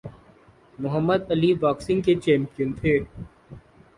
محمد Ali boxing کے champion تھے